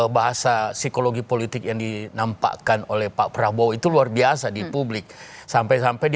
bahasa psikologi politik yang dinampakkan oleh pak prabowo itu luar biasa di publik sampai sampai di